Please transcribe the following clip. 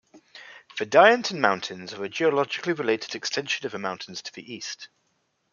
The Dienten Mountains are a geologically-related extension of the mountains to the east.